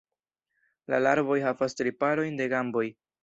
La larvoj havas tri parojn de gamboj.